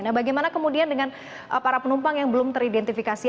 nah bagaimana kemudian dengan para penumpang yang belum teridentifikasi